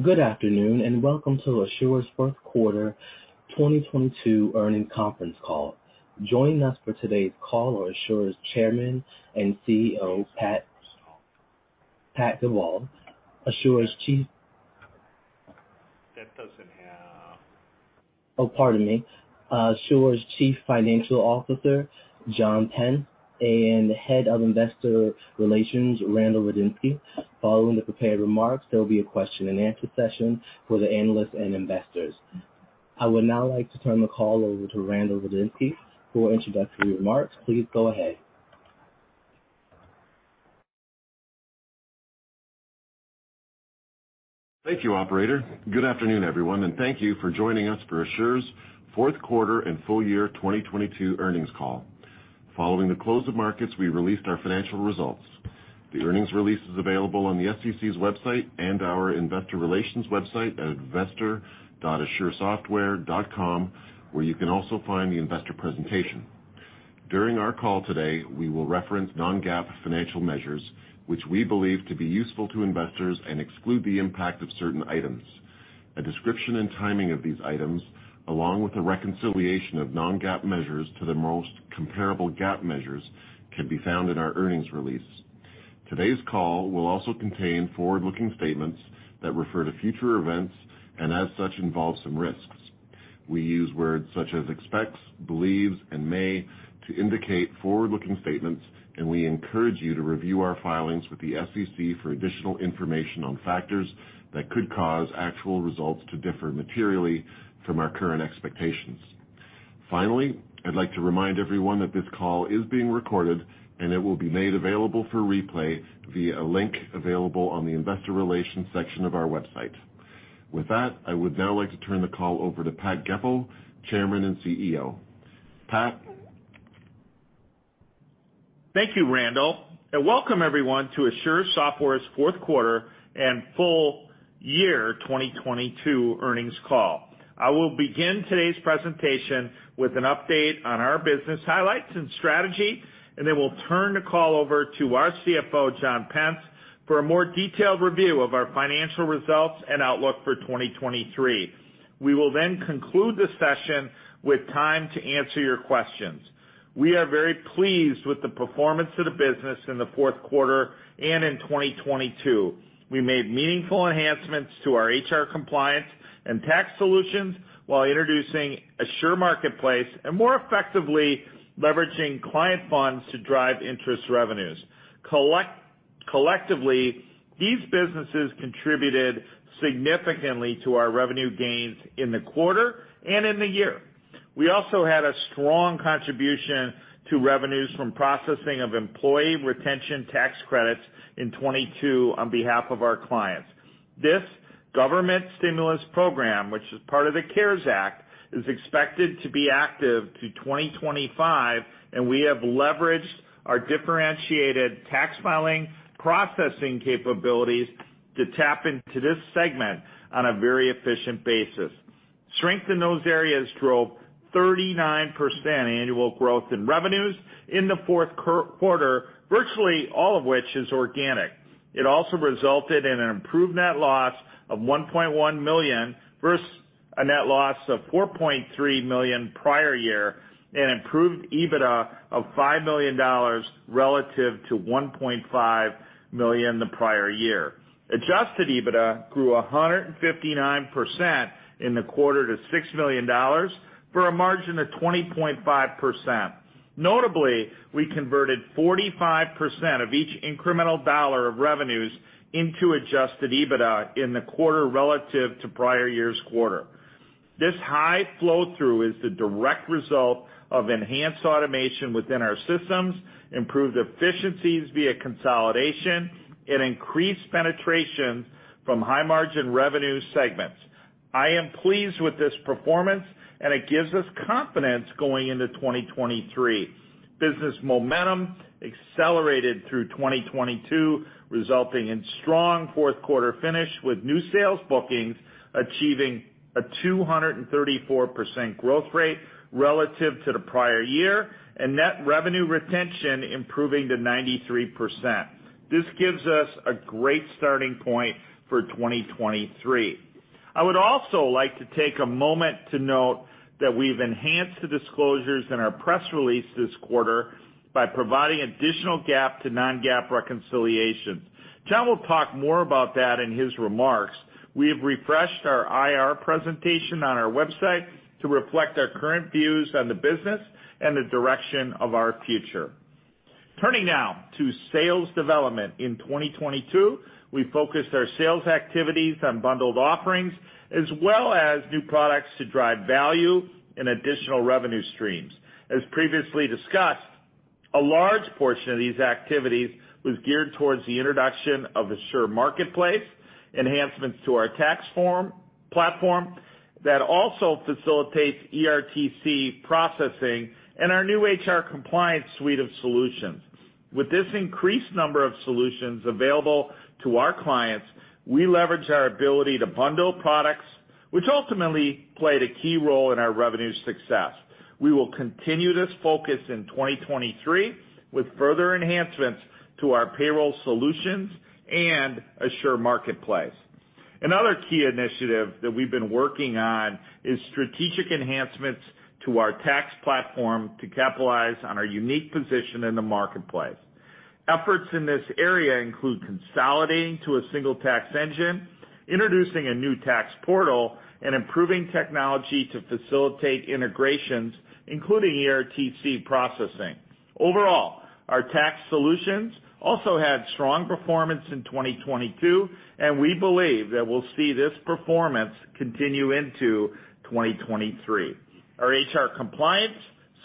Good afternoon, welcome to Asure's Fourth Quarter 2022 Earnings Conference Call. Joining us for today's call are Asure's Chairman and CEO, Pat Goepel, Asure's That doesn't have... Oh, pardon me. Asure's Chief Financial Officer, John Pence, and Head of Investor Relations, Randal Rudniski. Following the prepared remarks, there'll be a question-and-answer session for the analysts and investors. I would now like to turn the call over to Randal Rudniski for introductory remarks. Please go ahead. Thank you, operator. Good afternoon, everyone, and thank you for joining us for Asure's Fourth Quarter and Full Year 2022 Earnings Call. Following the close of markets, we released our financial results. The earnings release is available on the SEC's website and our investor relations website at investors.asuresoftware.com, where you can also find the investor presentation. During our call today, we will reference non-GAAP financial measures, which we believe to be useful to investors and exclude the impact of certain items. A description and timing of these items, along with a reconciliation of non-GAAP measures to the most comparable GAAP measures, can be found in our earnings release. Today's call will also contain forward-looking statements that refer to future events and as such involve some risks. We use words such as expects, believes, and may to indicate forward-looking statements, and we encourage you to review our filings with the SEC for additional information on factors that could cause actual results to differ materially from our current expectations. Finally, I'd like to remind everyone that this call is being recorded, and it will be made available for replay via a link available on the investor relations section of our website. With that, I would now like to turn the call over to Pat Goepel, Chairman and CEO. Pat? Thank you, Randal, welcome everyone to Asure Software's Fourth Quarter and Full Year 2022 Earnings Call. I will begin today's presentation with an update on our business highlights and strategy, then we'll turn the call over to our CFO, John Pence, for a more detailed review of our financial results and outlook for 2023. We will conclude the session with time to answer your questions. We are very pleased with the performance of the business in the fourth quarter and in 2022. We made meaningful enhancements to our HR compliance and tax solutions while introducing Asure Marketplace and more effectively leveraging client funds to drive interest revenues. Collectively, these businesses contributed significantly to our revenue gains in the quarter and in the year. We also had a strong contribution to revenues from processing of Employee Retention Tax Credit in 2022 on behalf of our clients. This government stimulus program, which is part of the CARES Act, is expected to be active through 2025. We have leveraged our differentiated tax filing processing capabilities to tap into this segment on a very efficient basis. Strength in those areas drove 39% annual growth in revenues in the fourth quarter, virtually all of which is organic. It also resulted in an improved net loss of $1.1 million versus a net loss of $4.3 million prior year and improved EBITDA of $5 million relative to $1.5 million the prior year. Adjusted EBITDA grew 159% in the quarter to $6 million for a margin of 20.5%. Notably, we converted 45% of each incremental $1 of revenues into adjusted EBITDA in the quarter relative to prior year's quarter. This high flow-through is the direct result of enhanced automation within our systems, improved efficiencies via consolidation, and increased penetration from high-margin revenue segments. I am pleased with this performance, and it gives us confidence going into 2023. Business momentum accelerated through 2022, resulting in strong fourth quarter finish, with new sales bookings achieving a 234% growth rate relative to the prior year, and Net Revenue Retention improving to 93%. This gives us a great starting point for 2023. I would also like to take a moment to note that we've enhanced the disclosures in our press release this quarter by providing additional GAAP to non-GAAP reconciliations. John will talk more about that in his remarks. We have refreshed our IR presentation on our website to reflect our current views on the business and the direction of our future. Turning now to sales development. In 2022, we focused our sales activities on bundled offerings as well as new products to drive value and additional revenue streams. As previously discussed, a large portion of these activities was geared towards the introduction of Asure Marketplace, enhancements to our tax form platform that also facilitates ERTC processing and our new HR compliance suite of solutions. With this increased number of solutions available to our clients, we leverage our ability to bundle products which ultimately played a key role in our revenue success. We will continue this focus in 2023 with further enhancements to our payroll solutions and Asure Marketplace. Another key initiative that we've been working on is strategic enhancements to our tax platform to capitalize on our unique position in the marketplace. Efforts in this area include consolidating to a single tax engine, introducing a new tax portal, and improving technology to facilitate integrations, including ERTC processing. Overall, our tax solutions also had strong performance in 2022, and we believe that we'll see this performance continue into 2023. Our HR compliance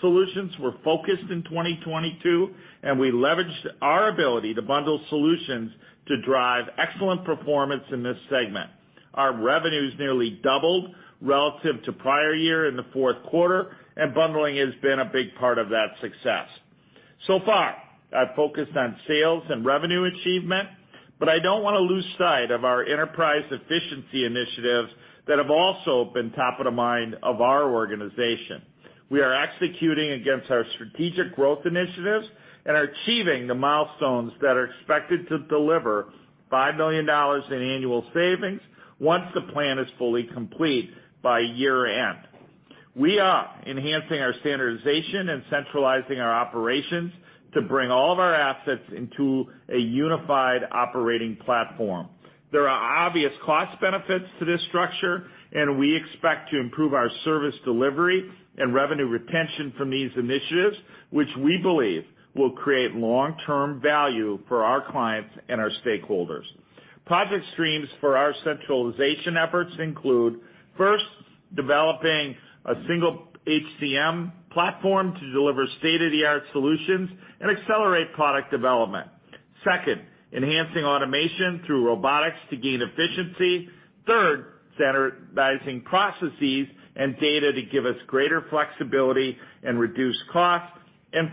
solutions were focused in 2022, and we leveraged our ability to bundle solutions to drive excellent performance in this segment. Our revenues nearly doubled relative to prior year in the fourth quarter. Bundling has been a big part of that success. So far, I've focused on sales and revenue achievement, but I don't wanna lose sight of our enterprise efficiency initiatives that have also been top of the mind of our organization. We are executing against our strategic growth initiatives and are achieving the milestones that are expected to deliver $5 million in annual savings once the plan is fully complete by year-end. We are enhancing our standardization and centralizing our operations to bring all of our assets into a unified operating platform. There are obvious cost benefits to this structure, and we expect to improve our service delivery and revenue retention from these initiatives, which we believe will create long-term value for our clients and our stakeholders. Project streams for our centralization efforts include, first, developing a single HCM platform to deliver state-of-the-art solutions and accelerate product development. Second, enhancing automation through robotics to gain efficiency. Third, standardizing processes and data to give us greater flexibility and reduce costs.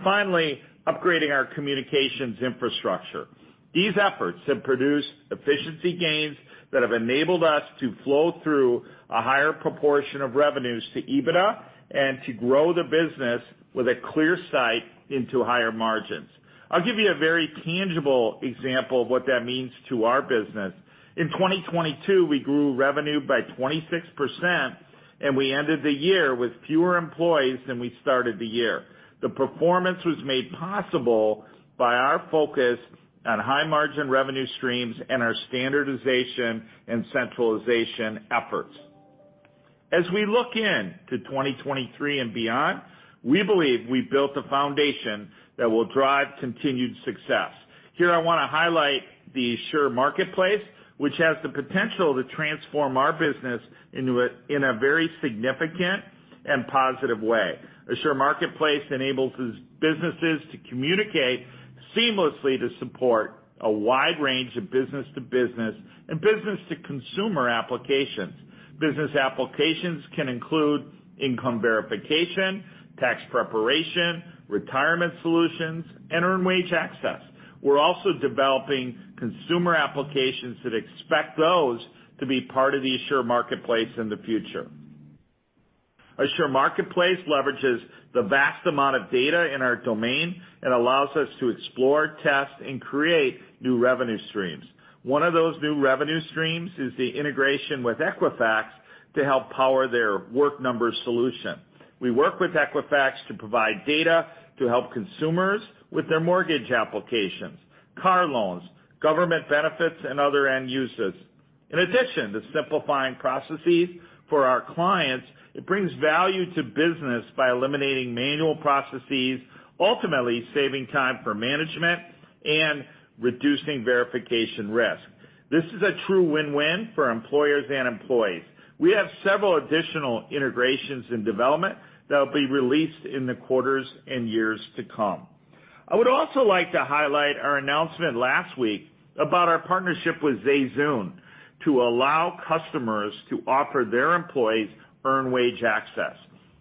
Finally, upgrading our communications infrastructure. These efforts have produced efficiency gains that have enabled us to flow through a higher proportion of revenues to EBITDA and to grow the business with a clear sight into higher margins. I'll give you a very tangible example of what that means to our business. In 2022, we grew revenue by 26%, and we ended the year with fewer employees than we started the year. The performance was made possible by our focus on high-margin revenue streams and our standardization and centralization efforts. We look in to 2023 and beyond, we believe we built a foundation that will drive continued success. Here, I wanna highlight the Asure Marketplace, which has the potential to transform our business in a very significant and positive way. Asure Marketplace enables businesses to communicate seamlessly to support a wide range of business-to-business and business-to-consumer applications. Business applications can include income verification, tax preparation, retirement solutions, and earned wage access. We're also developing consumer applications that expect those to be part of the Asure Marketplace in the future. Asure Marketplace leverages the vast amount of data in our domain and allows us to explore, test, and create new revenue streams. One of those new revenue streams is the integration with Equifax to help power their WorkNumber solution. We work with Equifax to provide data to help consumers with their mortgage applications, car loans, government benefits, and other end uses. In addition to simplifying processes for our clients, it brings value to business by eliminating manual processes, ultimately saving time for management and reducing verification risk. This is a true win-win for employers and employees. We have several additional integrations in development that will be released in the quarters and years to come. I would also like to highlight our announcement last week about our partnership with ZayZoon to allow customers to offer their employees earned wage access.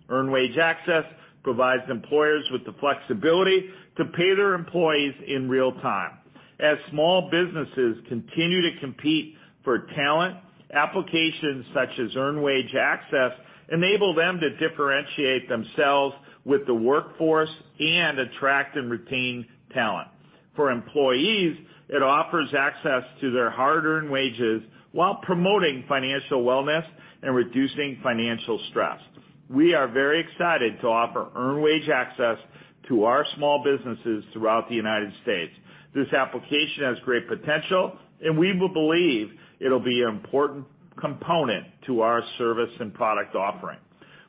Earned wage access provides employers with the flexibility to pay their employees in real time. As small businesses continue to compete for talent, applications such as earned wage access enable them to differentiate themselves with the workforce and attract and retain talent. For employees, it offers access to their hard-earned wages while promoting financial wellness and reducing financial stress. We are very excited to offer earned wage access to our small businesses throughout the United States. This application has great potential, and we believe it'll be an important component to our service and product offering.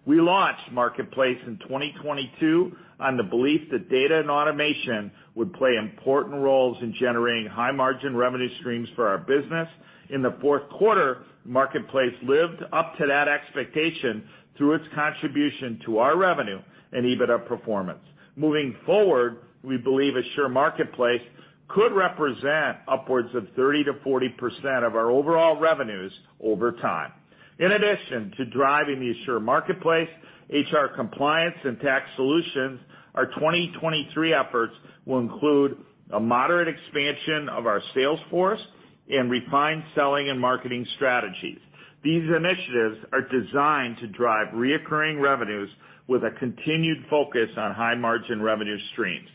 We launched Marketplace in 2022 on the belief that data and automation would play important roles in generating high-margin revenue streams for our business. In the fourth quarter, Asure Marketplace lived up to that expectation through its contribution to our revenue and EBITDA performance. Moving forward, we believe Asure Marketplace could represent upwards of 30%-40% of our overall revenues over time. In addition to driving the Asure Marketplace, HR Compliance and Tax Solutions, our 2023 efforts will include a moderate expansion of our sales force and refined selling and marketing strategies. These initiatives are designed to drive reoccurring revenues with a continued focus on high margin revenue streams.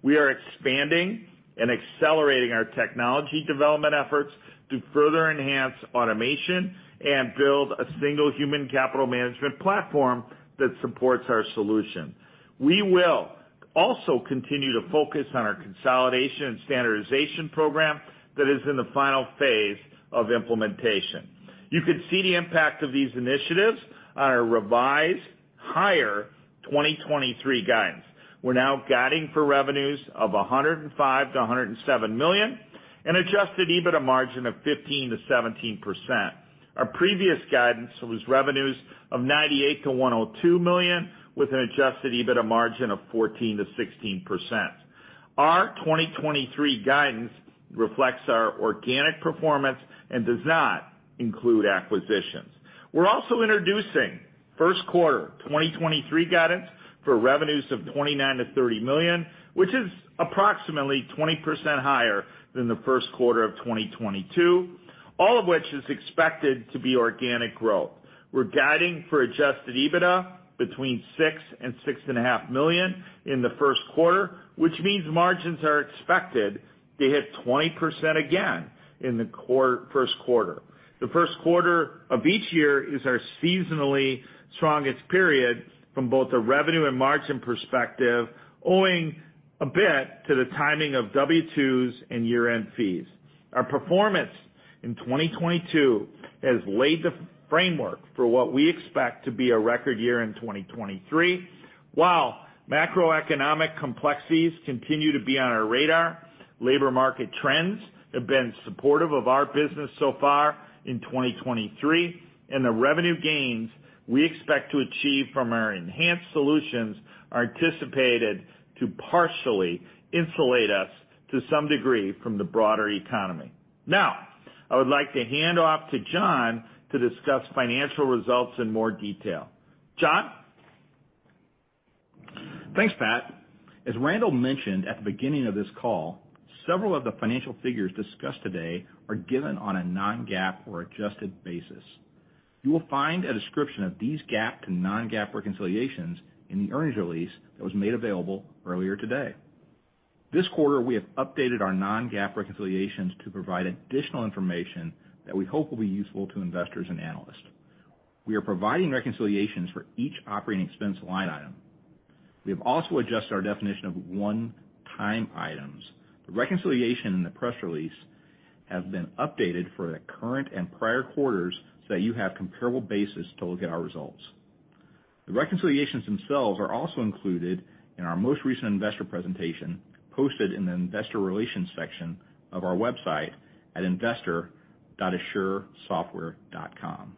We are expanding and accelerating our technology development efforts to further enhance automation and build a single human capital management platform that supports our solution. We will also continue to focus on our consolidation and standardization program that is in the final phase of implementation. You could see the impact of these initiatives on our revised higher 2023 guidance. We're now guiding for revenues of $105 million-$107 million and adjusted EBITDA margin of 15%-17%. Our previous guidance was revenues of $98 million-$102 million with an adjusted EBITDA margin of 14%-16%. Our 2023 guidance reflects our organic performance and does not include acquisitions. We're also introducing first quarter 2023 guidance for revenues of $29 million-$30 million, which is approximately 20% higher than the first quarter of 2022, all of which is expected to be organic growth. We're guiding for adjusted EBITDA between $6 million and $6.5 million in the first quarter, which means margins are expected to hit 20% again in the first quarter. The first quarter of each year is our seasonally strongest period from both a revenue and margin perspective, owing a bit to the timing of W-2s and year-end fees. Our performance in 2022 has laid the framework for what we expect to be a record year in 2023. Macroeconomic complexities continue to be on our radar, labor market trends have been supportive of our business so far in 2023, and the revenue gains we expect to achieve from our enhanced solutions are anticipated to partially insulate us to some degree from the broader economy. I would like to hand off to John to discuss financial results in more detail. John? Thanks, Pat. As Randal mentioned at the beginning of this call, several of the financial figures discussed today are given on a non-GAAP or adjusted basis. You will find a description of these GAAP to non-GAAP reconciliations in the earnings release that was made available earlier today. This quarter, we have updated our non-GAAP reconciliations to provide additional information that we hope will be useful to investors and analysts. We are providing reconciliations for each operating expense line item. We have also adjusted our definition of one-time items. The reconciliation in the press release have been updated for the current and prior quarters so that you have comparable basis to look at our results. The reconciliations themselves are also included in our most recent investor presentation, posted in the investor relations section of our website at investors.asuresoftware.com.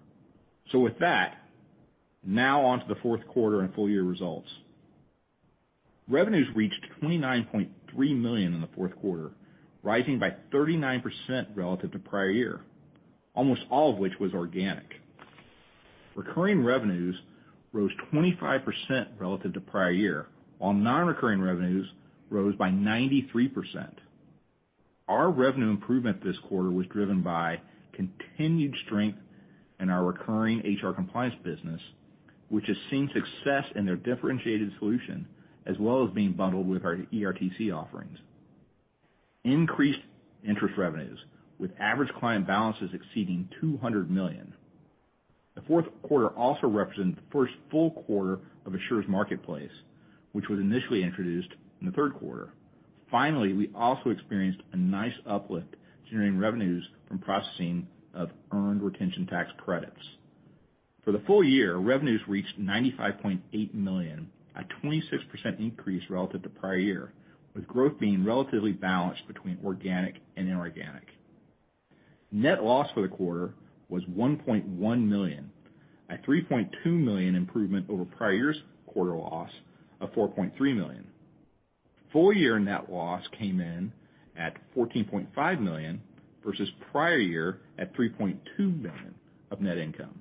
With that, now on to the fourth quarter and full year results. Revenues reached $29.3 million in the fourth quarter, rising by 39% relative to prior year, almost all of which was organic. Recurring revenues rose 25% relative to prior year, while non-recurring revenues rose by 93%. Our revenue improvement this quarter was driven by continued strength in our recurring HR compliance business, which has seen success in their differentiated solution, as well as being bundled with our ERTC offerings. Increased interest revenues, with average client balances exceeding $200 million. The fourth quarter also represented the first full quarter of Asure's Marketplace, which was initially introduced in the third quarter. We also experienced a nice uplift generating revenues from processing of earned retention tax credits. For the full year, revenues reached $95.8 million, a 26% increase relative to prior year, with growth being relatively balanced between organic and inorganic. Net loss for the quarter was $1.1 million, a $3.2 million improvement over prior year's quarter loss of $4.3 million. Full year net loss came in at $14.5 million versus prior year at $3.2 million of net income.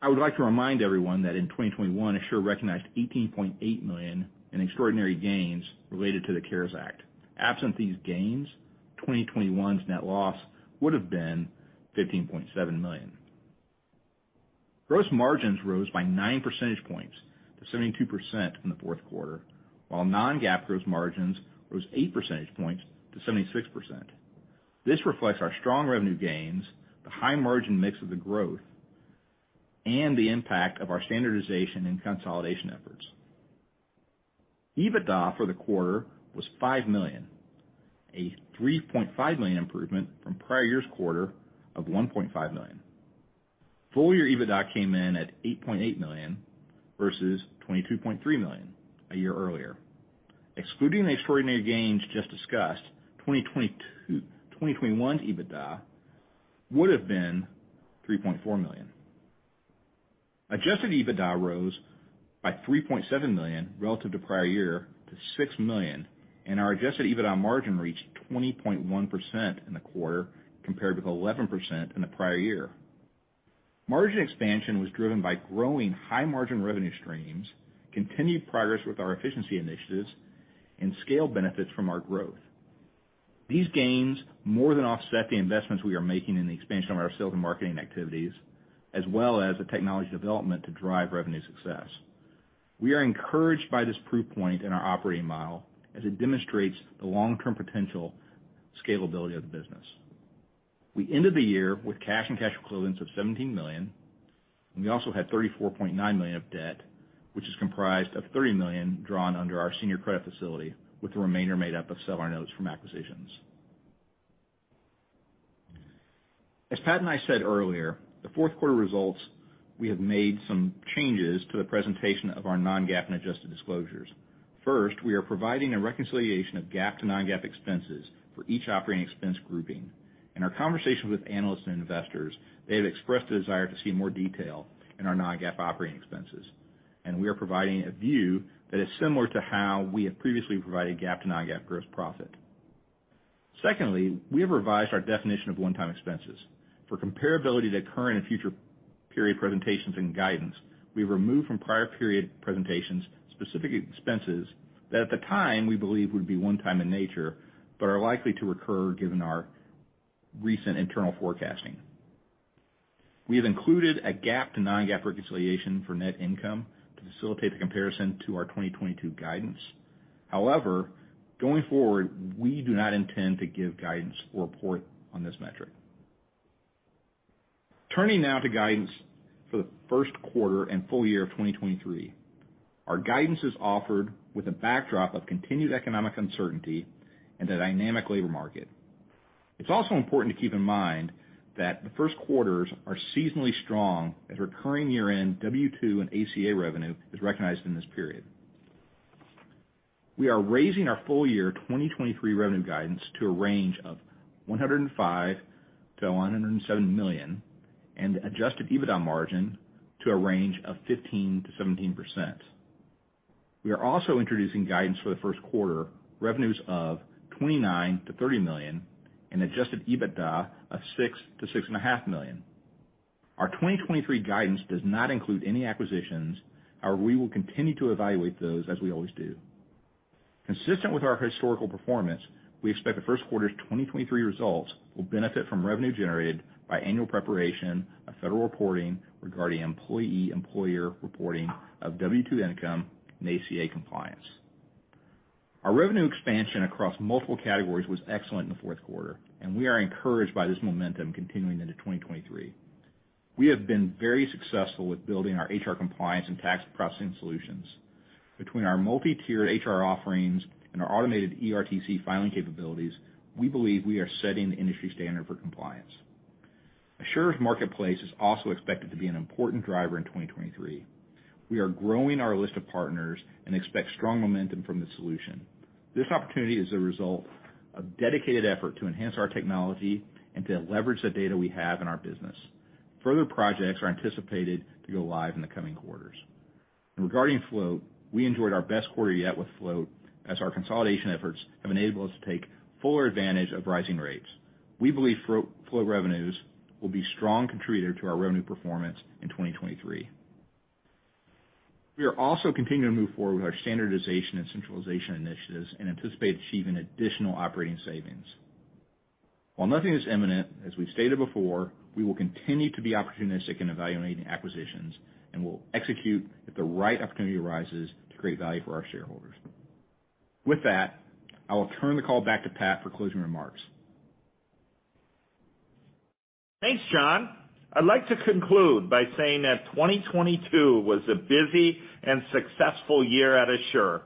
I would like to remind everyone that in 2021, Asure recognized $18.8 million in extraordinary gains related to the CARES Act. Absent these gains, 2021's net loss would have been $15.7 million. Gross margins rose by nine percentage points to 72% in the fourth quarter, while non-GAAP gross margins rose eight percentage points to 76%. This reflects our strong revenue gains, the high margin mix of the growth, and the impact of our standardization and consolidation efforts. EBITDA for the quarter was $5 million, a $3.5 million improvement from prior year's quarter of $1.5 million. Full year EBITDA came in at $8.8 million, versus $22.3 million a year earlier. Excluding the extraordinary gains just discussed, 2021's EBITDA would have been $3.4 million. Adjusted EBITDA rose by $3.7 million relative to prior year to $6 million, and our adjusted EBITDA margin reached 20.1% in the quarter compared with 11% in the prior year. Margin expansion was driven by growing high-margin revenue streams, continued progress with our efficiency initiatives, and scale benefits from our growth. These gains more than offset the investments we are making in the expansion of our sales and marketing activities, as well as the technology development to drive revenue success. We are encouraged by this proof point in our operating model as it demonstrates the long-term potential scalability of the business. We ended the year with cash and cash equivalents of $17 million, and we also had $34.9 million of debt, which is comprised of $30 million drawn under our senior credit facility, with the remainder made up of seller notes from acquisitions. As Pat and I said earlier, the fourth quarter results, we have made some changes to the presentation of our non-GAAP and adjusted disclosures. First, we are providing a reconciliation of GAAP to non-GAAP expenses for each operating expense grouping. In our conversations with analysts and investors, they have expressed a desire to see more detail in our non-GAAP operating expenses, and we are providing a view that is similar to how we have previously provided GAAP to non-GAAP gross profit. Secondly, we have revised our definition of one-time expenses. For comparability to current and future period presentations and guidance, we've removed from prior period presentations specific expenses that at the time we believe would be one time in nature, but are likely to recur given our recent internal forecasting. We have included a GAAP to non-GAAP reconciliation for net income to facilitate the comparison to our 2022 guidance. However, going forward, we do not intend to give guidance or report on this metric. Turning now to guidance for the first quarter and full year of 2023. Our guidance is offered with a backdrop of continued economic uncertainty and a dynamic labor market. It's also important to keep in mind that the first quarters are seasonally strong as recurring year-end W-2 and ACA revenue is recognized in this period. We are raising our full year 2023 revenue guidance to a range of $105 million-$107 million and adjusted EBITDA margin to a range of 15%-17%. We are also introducing guidance for the first quarter revenues of $29 million-$30 million and adjusted EBITDA of $6 million-$6.5 million. Our 2023 guidance does not include any acquisitions. We will continue to evaluate those as we always do. Consistent with our historical performance, we expect the first quarter's 2023 results will benefit from revenue generated by annual preparation of federal reporting regarding employee-employer reporting of W-2 income and ACA compliance. Our revenue expansion across multiple categories was excellent in the fourth quarter, and we are encouraged by this momentum continuing into 2023. We have been very successful with building our HR compliance and tax processing solutions. Between our multi-tiered HR offerings and our automated ERTC filing capabilities, we believe we are setting the industry standard for compliance. Asure Marketplace is also expected to be an important driver in 2023. We are growing our list of partners and expect strong momentum from this solution. This opportunity is a result of dedicated effort to enhance our technology and to leverage the data we have in our business. Further projects are anticipated to go live in the coming quarters. Regarding Float, we enjoyed our best quarter yet with Float, as our consolidation efforts have enabled us to take fuller advantage of rising rates. We believe Float revenues will be strong contributor to our revenue performance in 2023. We are also continuing to move forward with our standardization and centralization initiatives and anticipate achieving additional operating savings. While nothing is imminent, as we've stated before, we will continue to be opportunistic in evaluating acquisitions and will execute if the right opportunity arises to create value for our shareholders. With that, I will turn the call back to Pat for closing remarks. Thanks, John. I'd like to conclude by saying that 2022 was a busy and successful year at Asure,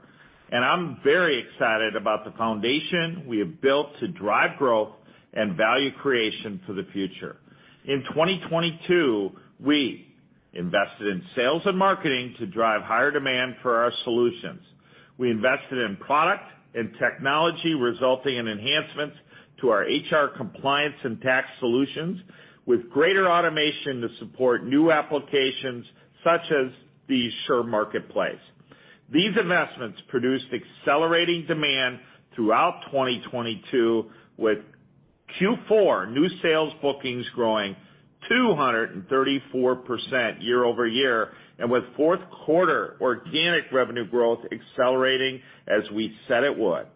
I'm very excited about the foundation we have built to drive growth and value creation for the future. In 2022, we invested in sales and marketing to drive higher demand for our solutions. We invested in product and technology, resulting in enhancements to our HR compliance and tax solutions with greater automation to support new applications such as the Asure Marketplace. These investments produced accelerating demand throughout 2022, with Q4 new sales bookings growing 234% year-over-year, with fourth quarter organic revenue growth accelerating as we said it would.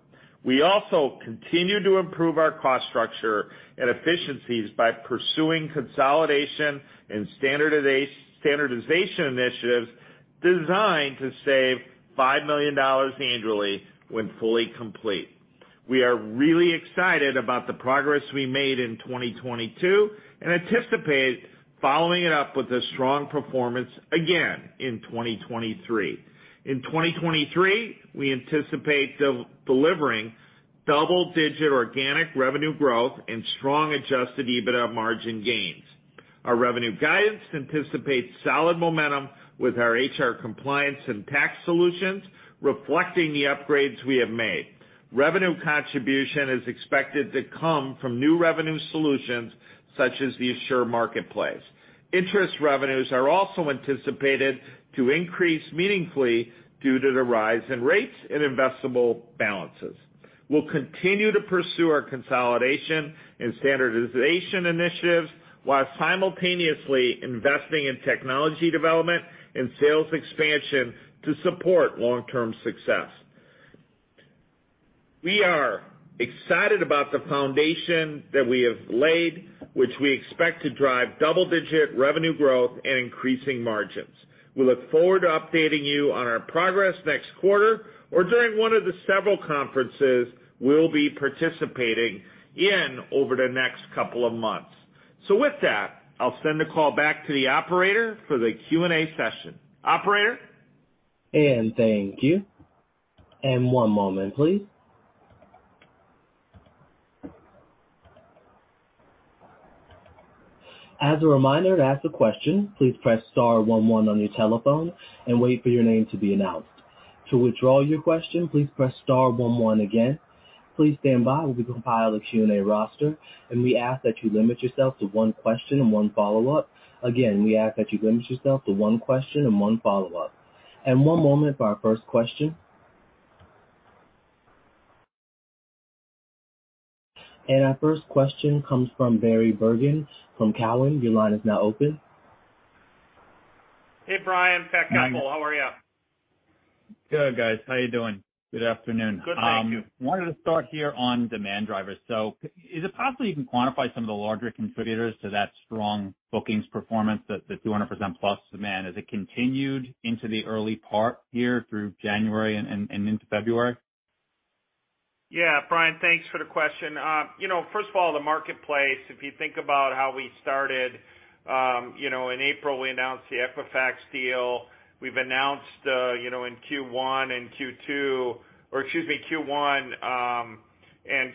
We also continued to improve our cost structure and efficiencies by pursuing consolidation and standardization initiatives designed to save $5 million annually when fully complete. We are really excited about the progress we made in 2022 and anticipate following it up with a strong performance again in 2023. In 2023, we anticipate delivering double-digit organic revenue growth and strong adjusted EBITDA margin gains. Our revenue guidance anticipates solid momentum with our HR compliance and tax solutions reflecting the upgrades we have made. Revenue contribution is expected to come from new revenue solutions such as the Asure Marketplace. Interest revenues are also anticipated to increase meaningfully due to the rise in rates and investable balances. We'll continue to pursue our consolidation and standardization initiatives, while simultaneously investing in technology development and sales expansion to support long-term success. We are excited about the foundation that we have laid, which we expect to drive double-digit revenue growth and increasing margins. We look forward to updating you on our progress next quarter or during one of the several conferences we'll be participating in over the next couple of months. With that, I'll send the call back to the operator for the Q&A session. Operator? Thank you. One moment, please. As a reminder, to ask a question, please press star one one on your telephone and wait for your name to be announced. To withdraw your question, please press star one one again. Please stand by. We'll compile a Q&A roster, we ask that you limit yourself to one question and one follow-up. Again, we ask that you limit yourself to one question and one follow-up. One moment for our first question. Our first question comes from Bryan Bergin from Cowen. Your line is now open. Hey, Bryan Bergin. Pat Goepel. How are you? Good, guys. How you doing? Good afternoon. Good, thank you. Wanted to start here on demand drivers. Is it possible you can quantify some of the larger contributors to that strong bookings performance, that 200% plus demand? Has it continued into the early part here through January and into February? Yeah, Bryan Bergin, thanks for the question. You know, first of all, the marketplace, if you think about how we started, you know, in April, we announced the Equifax deal. We've announced, you know, in Q1 and Q4,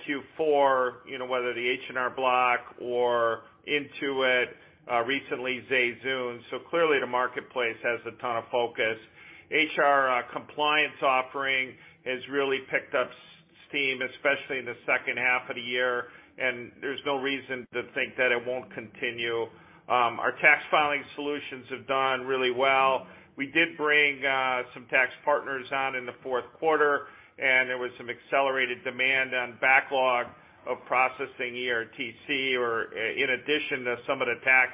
you know, whether the H&R Block or Intuit, recently ZayZoon. Clearly the marketplace has a ton of focus. HR compliance offering has really picked up steam, especially in the second half of the year, and there's no reason to think that it won't continue. Our tax filing solutions have done really well. We did bring some tax partners on in the fourth quarter, and there was some accelerated demand on backlog of processing ERTC or in addition to some of the tax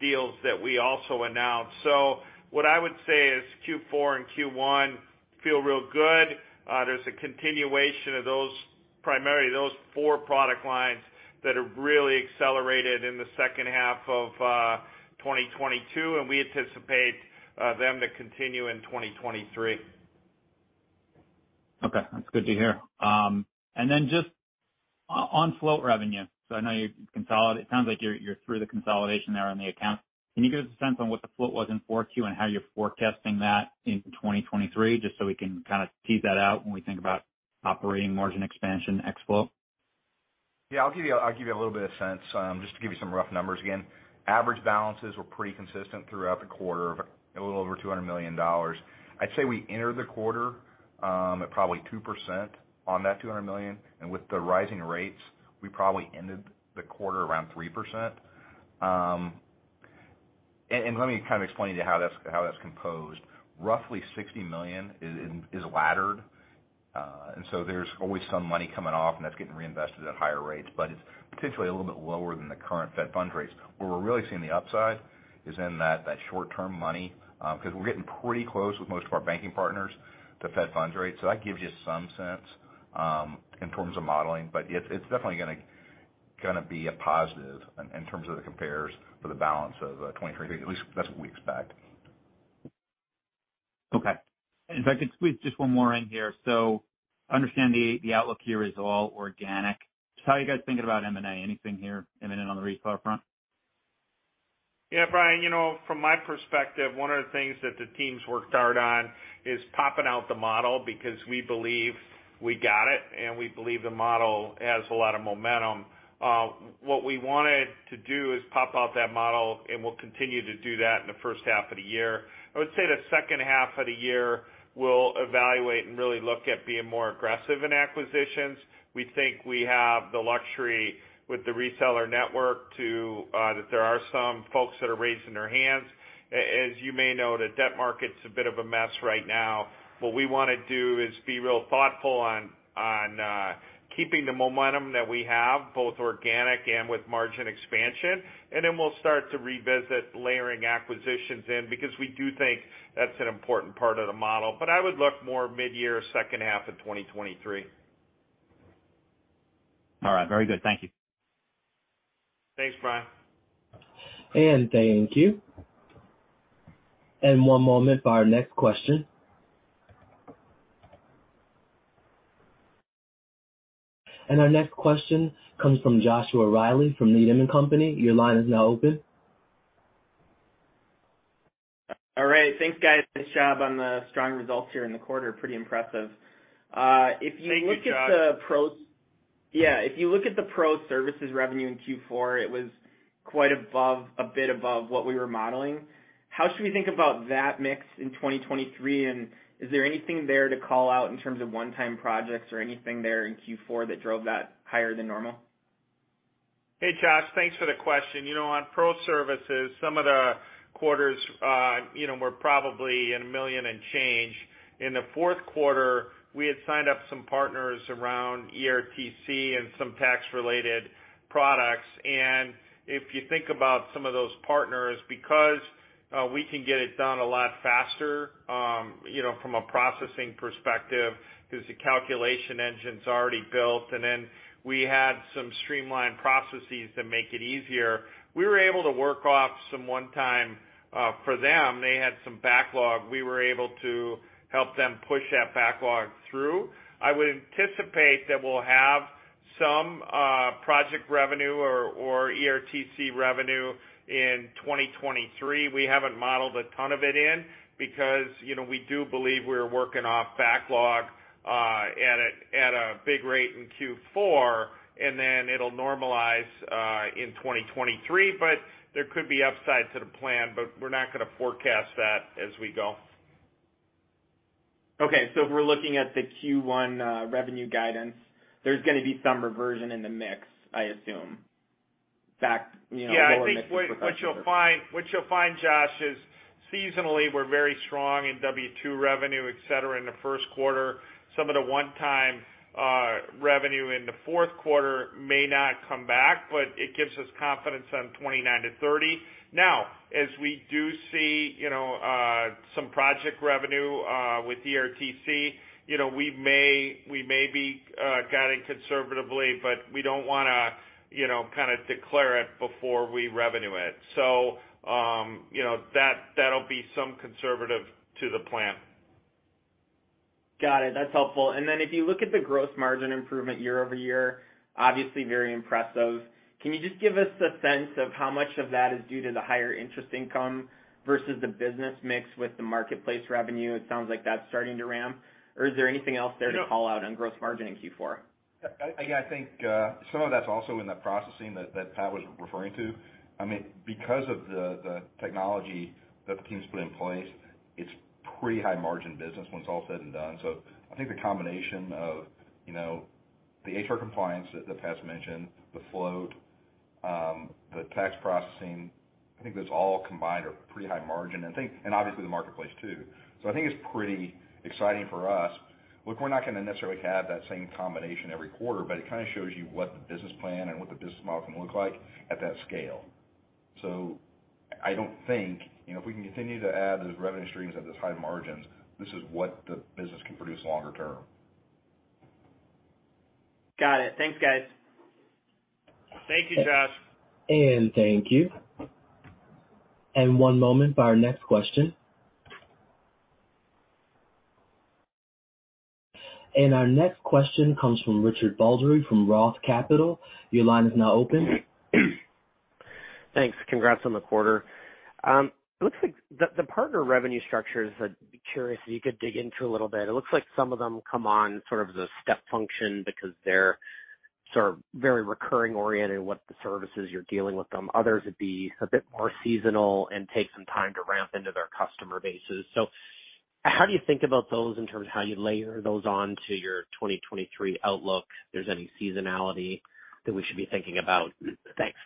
deals that we also announced. What I would say is Q4 and Q1 feel real good. There's a continuation of primarily those four product lines that have really accelerated in the second half of 2022, and we anticipate them to continue in 2023. Okay. That's good to hear. Then just on float revenue, so it sounds like you're through the consolidation there on the account. Can you give us a sense on what the float was in Q4 and how you're forecasting that in 2023, just so we can kinda tease that out when we think about operating margin expansion ex float? Yeah. I'll give you a little bit of sense, just to give you some rough numbers again. Average balances were pretty consistent throughout the quarter of a little over $200 million. I'd say we entered the quarter at probably 2% on that $200 million. With the rising rates, we probably ended the quarter around 3%. Let me kind of explain to you how that's composed. Roughly $60 million is laddered. There's always some money coming off, and that's getting reinvested at higher rates, but it's potentially a little bit lower than the current Fed funds rates. Where we're really seeing the upside is in that short-term money, 'cause we're getting pretty close with most of our banking partners to Fed funds rates. That gives you some sense in terms of modeling. It's definitely gonna be a positive in terms of the compares for the balance of 2023. At least that's what we expect. Okay. If I could squeeze just one more in here. Understand the outlook here is all organic. Just how are you guys thinking about M&A? Anything here imminent on the reseller front? Yeah. Bryan, you know, from my perspective, one of the things that the team's worked hard on is popping out the model because we believe we got it, and we believe the model has a lot of momentum. What we wanted to do is pop out that model, and we'll continue to do that in the first half of the year. I would say the second half of the year, we'll evaluate and really look at being more aggressive in acquisitions. We think we have the luxury with the reseller network to that there are some folks that are raising their hands. As you may know, the debt market's a bit of a mess right now. What we wanna do is be real thoughtful on keeping the momentum that we have, both organic and with margin expansion. Then we'll start to revisit layering acquisitions in because we do think that's an important part of the model. I would look more midyear, second half of 2023. All right. Very good. Thank you. Thanks, Bryan. Thank you. One moment for our next question. Our next question comes from Joshua Reilly from Needham & Company. Your line is now open. All right. Thanks, guys. Nice job on the strong results here in the quarter. Pretty impressive. Thank you, Josh. Yeah. If you look at the pro services revenue in Q4, it was quite above, a bit above what we were modeling. How should we think about that mix in 2023, is there anything there to call out in terms of one-time projects or anything there in Q4 that drove that higher than normal? Hey Josh, thanks for the question. You know, on PRO services, some of the quarters, you know, were probably in $1 million and change. In the fourth quarter, we had signed up some partners around ERTC and some tax-related products. If you think about some of those partners, because we can get it done a lot faster, you know, from a processing perspective, 'cause the calculation engine's already built, and then we had some streamlined processes to make it easier, we were able to work off some one-time for them. They had some backlog. We were able to help them push that backlog through. I would anticipate that we'll have some project revenue or ERTC revenue in 2023. We haven't modeled a ton of it in because, you know, we do believe we're working off backlog, at a big rate in Q4, and then it'll normalize in 2023. There could be upsides to the plan, but we're not gonna forecast that as we go. Okay. If we're looking at the Q1 revenue guidance, there's gonna be some reversion in the mix, I assume. Back, you know, lower mix- Yeah, I think what you'll find, Josh, is seasonally we're very strong in W-2 revenue, et cetera, in the first quarter. Some of the one-time revenue in the fourth quarter may not come back, but it gives us confidence on $29-$30. As we do see, you know, some project revenue with ERTC, you know, we may be guiding conservatively, but we don't wanna, you know, kinda declare it before we revenue it. That'll be some conservative to the plan. Got it. That's helpful. If you look at the gross margin improvement year-over-year, obviously very impressive. Can you just give us a sense of how much of that is due to the higher interest income versus the business mix with the Marketplace revenue? It sounds like that's starting to ramp. Is there anything else there to call out on gross margin in Q4? I think some of that's also in the processing that Pat was referring to. I mean, because of the technology that the team's put in place, it's pretty high margin business when it's all said and done. I think the combination of, you know, the HR compliance that Pat's mentioned, the Float, the tax processing, I think those all combined are pretty high margin. I think. Obviously the marketplace too. I think it's pretty exciting for us. Look, we're not gonna necessarily have that same combination every quarter, but it kinda shows you what the business plan and what the business model can look like at that scale. I don't think, you know, if we can continue to add those revenue streams at those high margins, this is what the business can produce longer term. Got it. Thanks, guys. Thank you, Josh. Thank you. One moment for our next question. Our next question comes from Richard Baldry from ROTH Capital. Your line is now open. Thanks. Congrats on the quarter. It looks like the partner revenue structures that, be curious if you could dig into a little bit? It looks like some of them come on sort of as a step function because they're sort of very recurring oriented, what the services you're dealing with them. Others would be a bit more seasonal and take some time to ramp into their customer bases. How do you think about those in terms of how you layer those on to your 2023 outlook? If there's any seasonality that we should be thinking about? Thanks.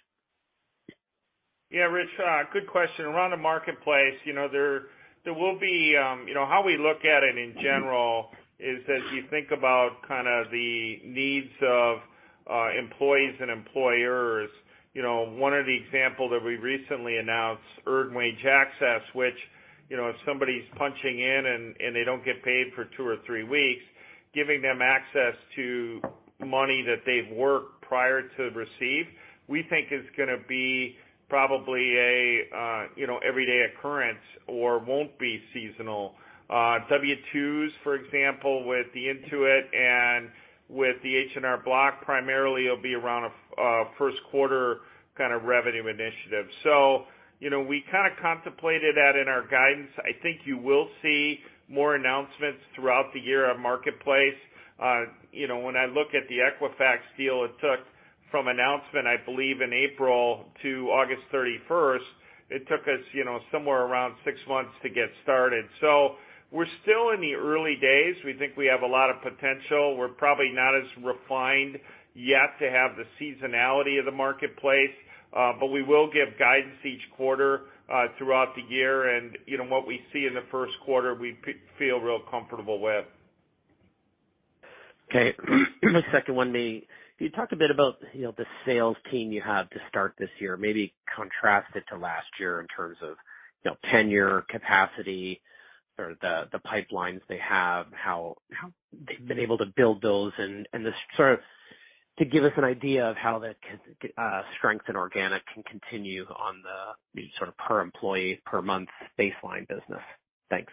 Yeah, Rich, good question. Around the marketplace, you know, there will be. You know, how we look at it in general is as you think about kinda the needs of employees and employers. You know, one of the example that we recently announced, earned wage access, which, you know, if somebody's punching in and they don't get paid for two or three weeks, giving them access to money that they've worked prior to receive, we think is gonna be probably a, you know, everyday occurrence or won't be seasonal. W-2s, for example, with the Intuit and with the H&R Block, primarily it'll be around a first quarter kinda revenue initiative. You know, we kinda contemplated that in our guidance. I think you will see more announcements throughout the year on marketplace. You know, when I look at the Equifax deal, it took from announcement, I believe in April to August 31st, it took us, you know, somewhere around six months to get started. We're still in the early days. We think we have a lot of potential. We're probably not as refined yet to have the seasonality of the marketplace, but we will give guidance each quarter, throughout the year. You know, what we see in the first quarter, we feel real comfortable with. Okay. My second one being, can you talk a bit about, you know, the sales team you have to start this year, maybe contrast it to last year in terms of, you know, tenure, capacity or the pipelines they have, how they've been able to build those and the sort of to give us an idea of how the strength and organic can continue on the sort of per employee, per month baseline business? Thanks.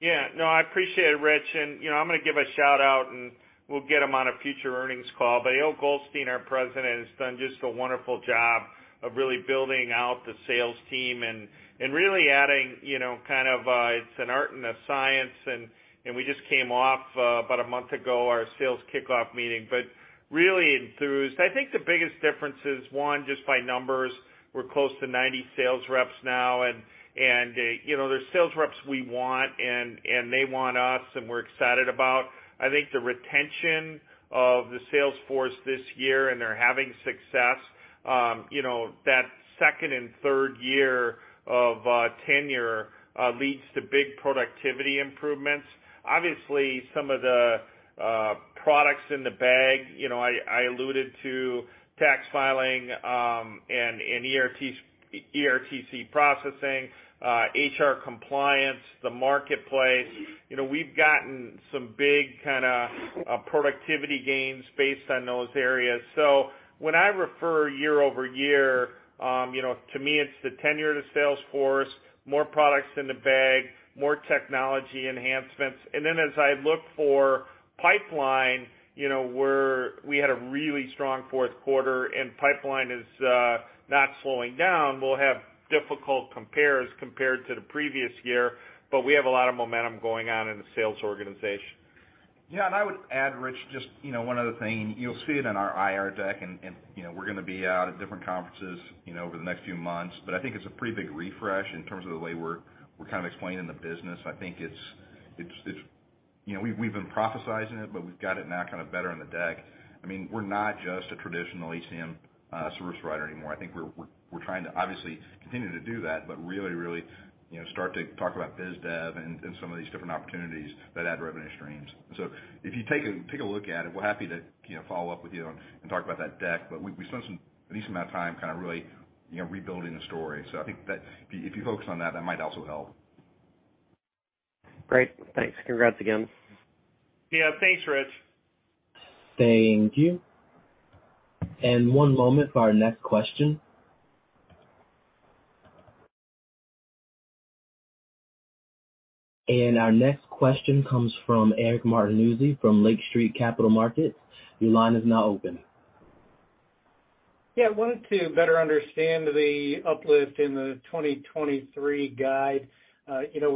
Yeah. No, I appreciate it, Rich. You know, I'm gonna give a shout-out and we'll get him on a future earnings call. Eyal Goldstein, our president, has done just a wonderful job of really building out the sales team and really adding, you know, kind of a, it's an art and a science and we just came off about a month ago, our sales kickoff meeting, but really enthused. I think the biggest difference is, one, just by numbers, we're close to 90 sales reps now. You know, they're sales reps we want and they want us, and we're excited about. I think the retention of the sales force this year, and they're having success, you know, that second and third year of tenure leads to big productivity improvements. Obviously, some of the products in the bag, you know, I alluded to tax filing, and ERTC processing, HR compliance, the Marketplace. You know, we've gotten some big kinda productivity gains based on those areas. When I refer year-over-year, you know, to me, it's the tenure to sales force, more products in the bag, more technology enhancements. As I look for pipeline, you know, we had a really strong fourth quarter, and pipeline is not slowing down. We'll have difficult compares compared to the previous year, but we have a lot of momentum going on in the sales organization. Yeah, and I would add, Richard, just, you know, one other thing. You'll see it in our IR deck and, you know, we're gonna be out at different conferences, you know, over the next few months. I think it's a pretty big refresh in terms of the way we're kind of explaining the business. I think it's, you know, we've been prophesying it, but we've got it now kinda better in the deck. I mean, we're not just a traditional HCM service provider anymore. I think we're trying to obviously continue to do that, but really, you know, start to talk about biz dev and some of these different opportunities that add revenue streams. If you take a look at it, we're happy to, you know, follow up with you and talk about that deck. we spent some decent amount of time kinda really, you know, rebuilding the story. I think that if you, if you focus on that might also help. Great. Thanks. Congrats again. Yeah. Thanks, Rich. Thank you. One moment for our next question. Our next question comes from Eric Martinuzzi from Lake Street Capital Markets. Your line is now open. Yeah, wanted to better understand the uplift in the 2023 guide. You know,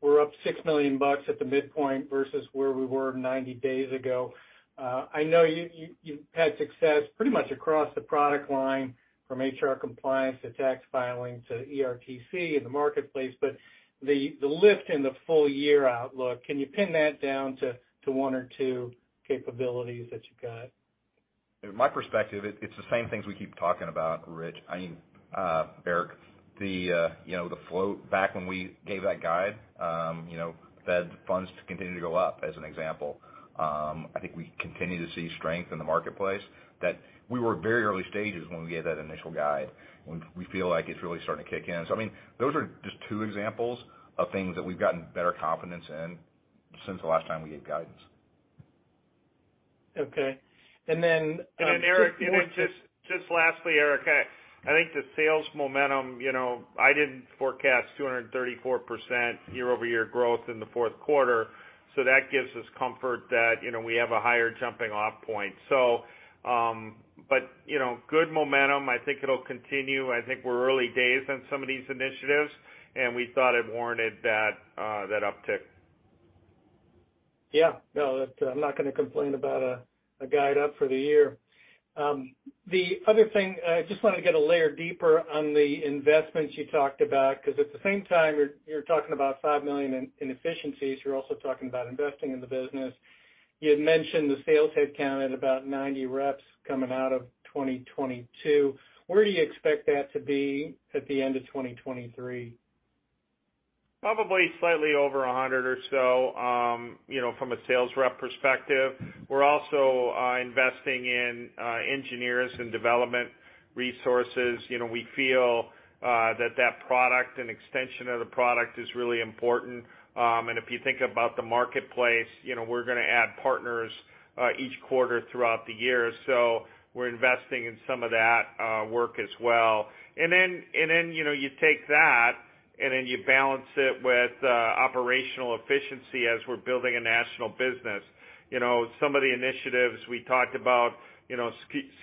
we're up $6 million at the midpoint versus where we were 90 days ago. I know you've had success pretty much across the product line from HR compliance to tax filing to ERTC in the Marketplace. The lift in the full year outlook, can you pin that down to one or two capabilities that you got? In my perspective, it's the same things we keep talking about, Rich. I mean, Eric, the, you know, the float back when we gave that guide, you know, Fed funds continue to go up as an example. I think we continue to see strength in the marketplace that we were very early stages when we gave that initial guide, and we feel like it's really starting to kick in. I mean, those are just two examples of things that we've gotten better confidence in since the last time we gave guidance. Okay. Then... Eric, you know, just lastly, Eric, I think the sales momentum, you know, I didn't forecast 234% year-over-year growth in the fourth quarter. That gives us comfort that, you know, we have a higher jumping off point. You know, good momentum. I think it'll continue. I think we're early days on some of these initiatives. We thought it warranted that uptick. Yeah. No, I'm not gonna complain about a guide up for the year. The other thing, just wanted to get a layer deeper on the investments you talked about, 'cause at the same time, you're talking about $5 million in efficiencies, you're also talking about investing in the business. You had mentioned the sales headcount at about 90 reps coming out of 2022. Where do you expect that to be at the end of 2023? Probably slightly over 100 or so, you know, from a sales rep perspective. We're also investing in engineers and development resources. You know, we feel that product and extension of the product is really important. If you think about the marketplace, you know, we're gonna add partners each quarter throughout the year. We're investing in some of that work as well. Then, you know, you take that and then you balance it with operational efficiency as we're building a national business. You know, some of the initiatives we talked about, you know,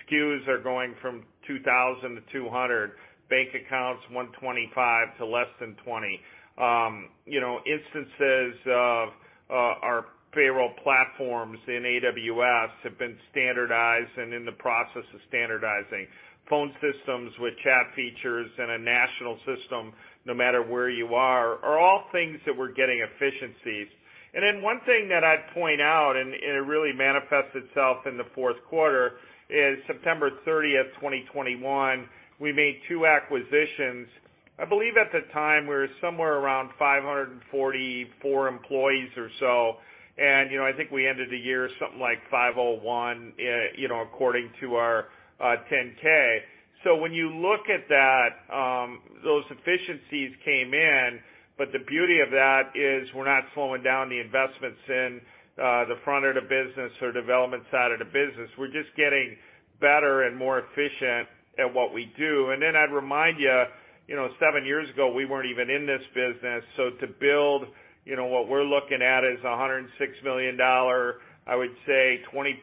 SKUs are going from 2,000 to 200, bank accounts 125 to less than 20. You know, instances of our payroll platforms in AWS have been standardized and in the process of standardizing. Phone systems with chat features and a national system, no matter where you are all things that we're getting efficiencies. One thing that I'd point out, and it really manifests itself in the fourth quarter, is September 30th, 2021, we made two acquisitions. I believe at the time, we were somewhere around 544 employees or so. You know, I think we ended the year something like 501, you know, according to our Form 10-K. When you look at that, those efficiencies came in, but the beauty of that is we're not slowing down the investments in the front of the business or development side of the business. We're just getting better and more efficient at what we do. I'd remind you know, seven years ago, we weren't even in this business. You know, what we're looking at is a $106 million, I would say 20%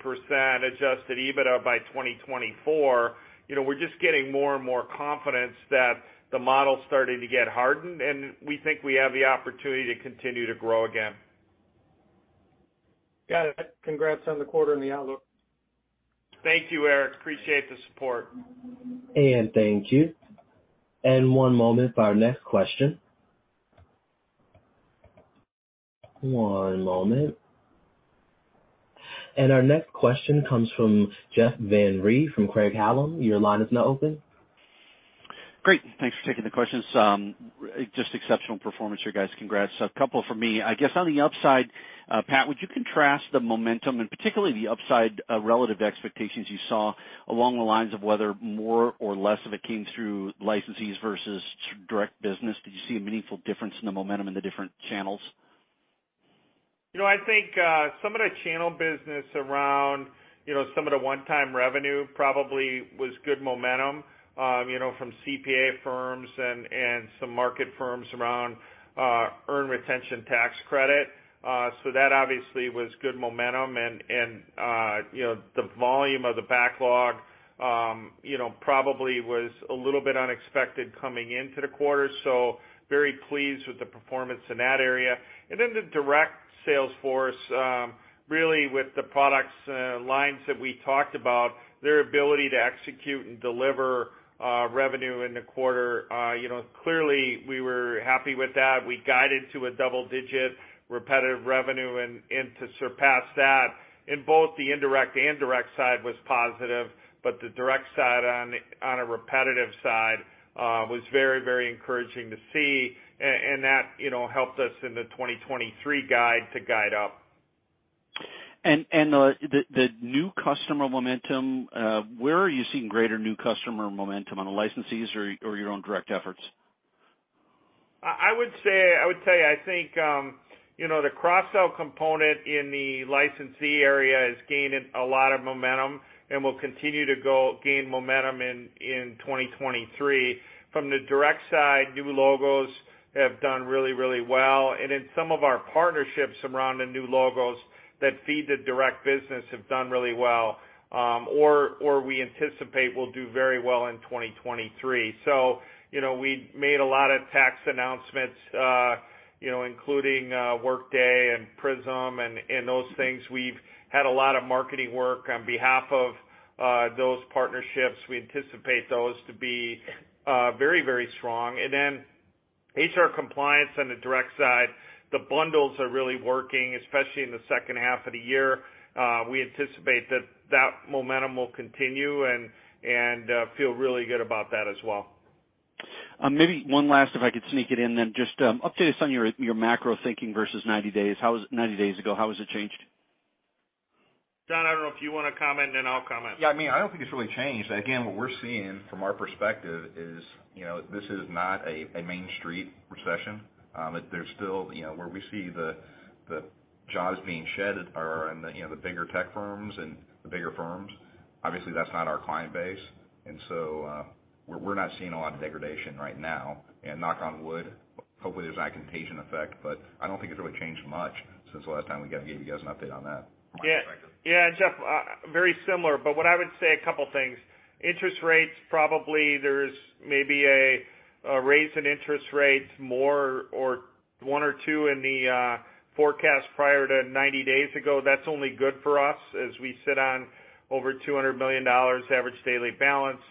adjusted EBITDA by 2024. You know, we're just getting more and more confidence that the model's starting to get hardened, and we think we have the opportunity to continue to grow again. Got it. Congrats on the quarter and the outlook. Thank you, Eric. Appreciate the support. Thank you. One moment for our next question. One moment. Our next question comes from Jeff Van Rhee from Craig-Hallum. Your line is now open. Great. Thanks for taking the questions. Just exceptional performance, you guys. Congrats. A couple from me. I guess on the upside, Pat, would you contrast the momentum and particularly the upside, relative to expectations you saw along the lines of whether more or less of it came through licensees versus direct business? Did you see a meaningful difference in the momentum in the different channels? You know, I think, some of the channel business around, you know, some of the one-time revenue probably was good momentum, you know, from CPA firms and some market firms around, Earned Retention Tax Credit. That obviously was good momentum and, you know, the volume of the backlog, you know, probably was a little bit unexpected coming into the quarter, so very pleased with the performance in that area. The direct sales force, really with the products, lines that we talked about, their ability to execute and deliver, revenue in the quarter, you know, clearly we were happy with that. We guided to a double-digit repetitive revenue and to surpass that in both the indirect and direct side was positive. The direct side on a repetitive side was very, very encouraging to see. That, you know, helped us in the 2023 guide to guide up. The new customer momentum, where are you seeing greater new customer momentum, on the licensees or your own direct efforts? I would say I would tell you, I think, you know, the cross-sell component in the licensee area has gained a lot of momentum and will continue to gain momentum in 2023. From the direct side, new logos have done really well. In some of our partnerships around the new logos that feed the direct business have done really well, or we anticipate will do very well in 2023. You know, we made a lot of tax announcements, you know, including Workday and PrismHR and those things. We've had a lot of marketing work on behalf of those partnerships. We anticipate those to be very strong. HR compliance on the direct side, the bundles are really working, especially in the second half of the year. We anticipate that that momentum will continue and feel really good about that as well. Maybe one last, if I could sneak it in then. Just update us on your macro thinking versus 90 days. 90 days ago, how has it changed? John, I don't know if you wanna comment, then I'll comment. Yeah, I mean, I don't think it's really changed. Again, what we're seeing from our perspective is, you know, this is not a Main Street recession. There's still, you know, where we see the jobs being shed are in the, you know, the bigger tech firms and the bigger firms. Obviously, that's not our client base. We're not seeing a lot of degradation right now. Knock on wood, hopefully, there's not a contagion effect. I don't think it's really changed much since the last time we gave you guys an update on that from my perspective. Yeah, Jeff, very similar. What I would say a couple things. Interest rates, probably there's maybe a raise in interest rates more or one or two in the forecast prior to 90 days ago. That's only good for us as we sit on over $200 million average daily balance.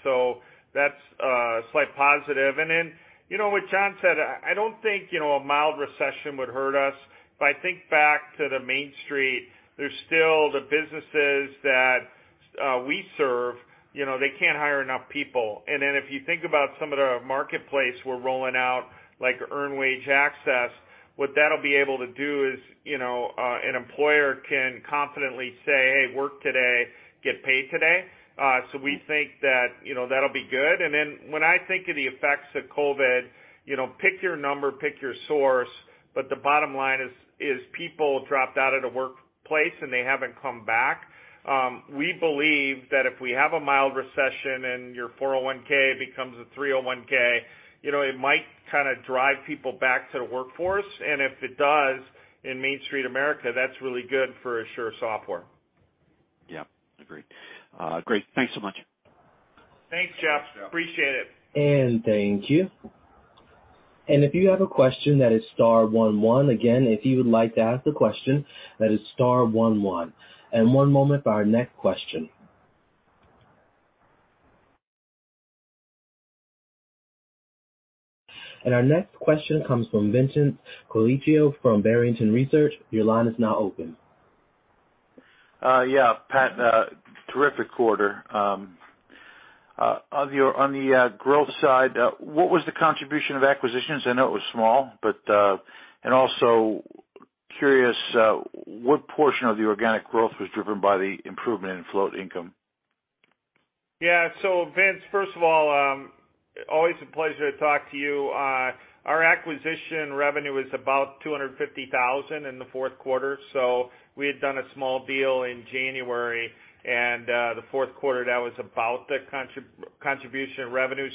That's a slight positive. You know what John said, I don't think, you know, a mild recession would hurt us. If I think back to the Main Street, there's still the businesses that we serve, you know, they can't hire enough people. If you think about some of the marketplace we're rolling out, like earned wage access, what that'll be able to do is, you know, an employer can confidently say, "Hey, work today, get paid today." We think that, you know, that'll be good. When I think of the effects of COVID, you know, pick your number, pick your source, but the bottom line is people dropped out of the workplace, and they haven't come back. We believe that if we have a mild recession and your 401(k) becomes a 301(k), you know, it might kinda drive people back to the workforce. If it does in Main Street America, that's really good for Asure Software. Yeah, agreed. great. Thanks so much. Thanks, Jeff. Appreciate it. Thank you. If you have a question, that is star 11. Again, if you would like to ask a question, that is star 11. One moment for our next question. Our next question comes from Vincent Colicchio from Barrington Research Associates. Your line is now open. Yeah, Pat, terrific quarter. On the growth side, what was the contribution of acquisitions? I know it was small, but. Also curious, what portion of the organic growth was driven by the improvement in Float income? Vince, first of all, always a pleasure to talk to you. Our acquisition revenue was about $250,000 in the fourth quarter. We had done a small deal in January and, the fourth quarter, that was about the contribution of revenue.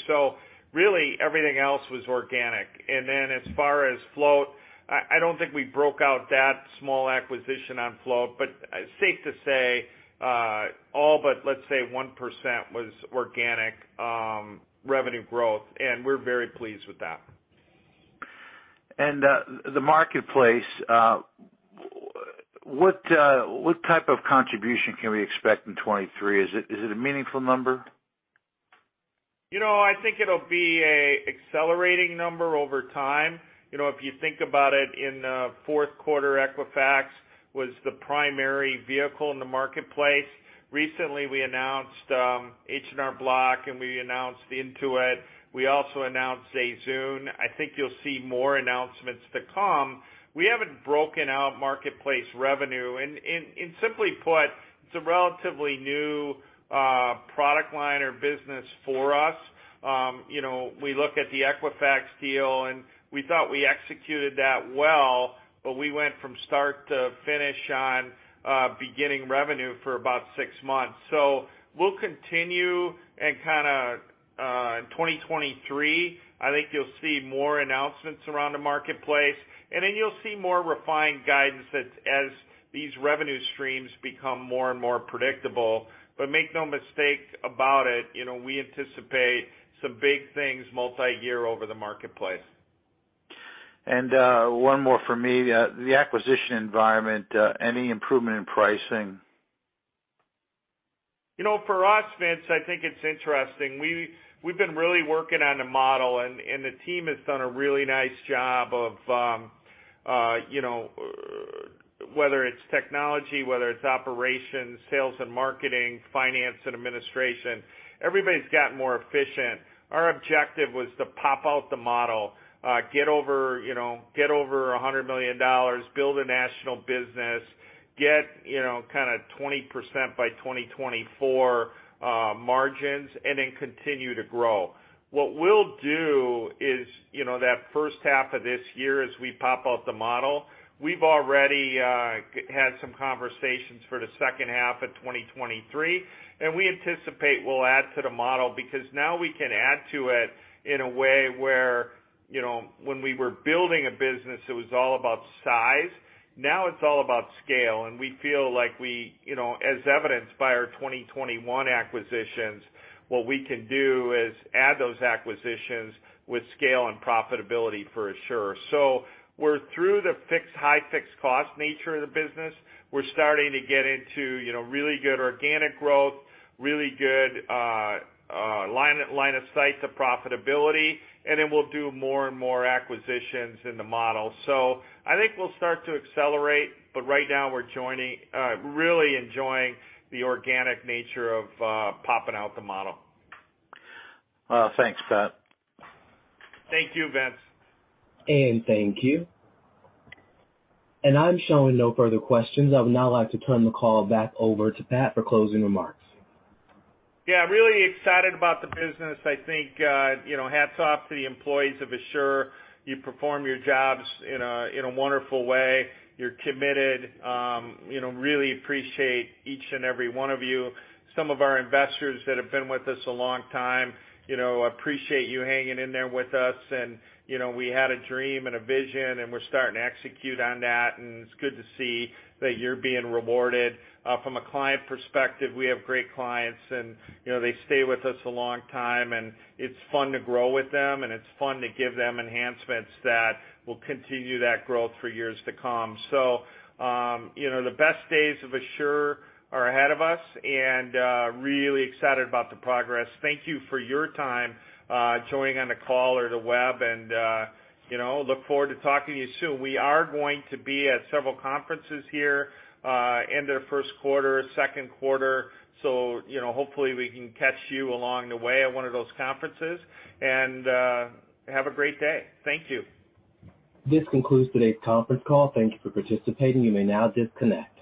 Really everything else was organic. Then as far as Float, I don't think we broke out that small acquisition on Float. Safe to say, all but let's say 1% was organic revenue growth, and we're very pleased with that. The marketplace, what type of contribution can we expect in 23? Is it a meaningful number? You know, I think it'll be a accelerating number over time. You know, if you think about it, in Q4, Equifax was the primary vehicle in the marketplace. Recently, we announced H&R Block and we announced Intuit. We also announced ZayZoon. I think you'll see more announcements to come. We haven't broken out marketplace revenue and simply put, it's a relatively new product line or business for us. You know, we look at the Equifax deal, and we thought we executed that well, but we went from start to finish on beginning revenue for about six months. We'll continue and kinda in 2023, I think you'll see more announcements around the marketplace, and then you'll see more refined guidance that as these revenue streams become more and more predictable. Make no mistake about it, you know, we anticipate some big things multiyear over the Marketplace. One more for me. The acquisition environment, any improvement in pricing? You know, for us, Vince, I think it's interesting. We've been really working on a model and the team has done a really nice job of, you know, whether it's technology, whether it's operations, sales and marketing, finance and administration, everybody's gotten more efficient. Our objective was to pop out the model, get over $100 million, build a national business, get, you know, kinda 20% by 2024, margins, and then continue to grow. What we'll do is, you know, that first half of this year, as we pop out the model, we've already had some conversations for the second half of 2023, and we anticipate we'll add to the model because now we can add to it in a way where, you know, when we were building a business, it was all about size. Now it's all about scale, we feel like we, you know, as evidenced by our 2021 acquisitions, what we can do is add those acquisitions with scale and profitability for Asure. We're through the high fixed cost nature of the business. We're starting to get into, you know, really good organic growth, really good line of sight to profitability, and then we'll do more and more acquisitions in the model. I think we'll start to accelerate, but right now we're really enjoying the organic nature of popping out the model. Well, thanks, Pat. Thank you, Vince. Thank you. I'm showing no further questions. I would now like to turn the call back over to Pat for closing remarks. Yeah, really excited about the business. I think, you know, hats off to the employees of Asure. You perform your jobs in a, in a wonderful way. You're committed, you know, really appreciate each and every one of you. Some of our investors that have been with us a long time, you know, appreciate you hanging in there with us. We had a dream and a vision, and we're starting to execute on that, and it's good to see that you're being rewarded. From a client perspective, we have great clients and, you know, they stay with us a long time, and it's fun to grow with them, and it's fun to give them enhancements that will continue that growth for years to come. You know, the best days of Asure are ahead of us, and really excited about the progress. Thank you for your time, joining on the call or the web and, you know, look forward to talking to you soon. We are going to be at several conferences here, end of first quarter, second quarter. You know, hopefully we can catch you along the way at one of those conferences. Have a great day. Thank you. This concludes today's conference call. Thank you for participating. You may now disconnect.